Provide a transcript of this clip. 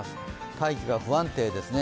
大気が不安定ですね。